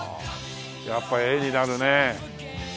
やっぱ絵になるね。